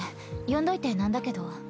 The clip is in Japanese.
呼んどいてなんだけど。